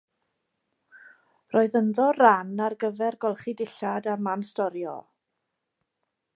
Roedd ynddo ran ar gyfer golchi dillad a man storio.